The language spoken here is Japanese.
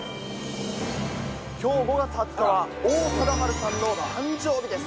きょう５月２０日は、王貞治さんの誕生日です。